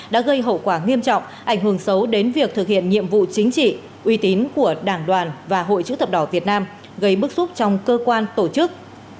đã gây hậu quả nghiêm trọng ảnh hưởng xấu đến việc thực hiện nhiệm vụ chính trị uy tín của đảng đoàn và hội chữ thập đỏ việt nam gây bức xúc trong cơ quan tổ chức